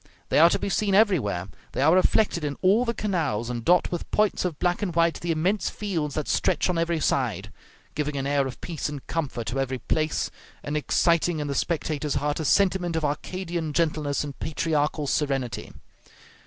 They are to be seen everywhere; they are reflected in all the canals, and dot with points of black and white the immense fields that stretch on every side, giving an air of peace and comfort to every place, and exciting in the spectator's heart a sentiment of Arcadian gentleness and patriarchal serenity.